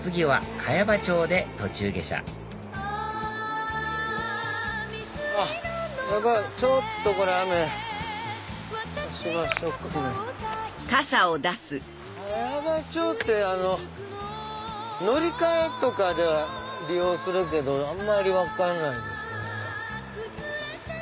茅場町って乗り換えとかでは利用するけどあんまり分かんないですね。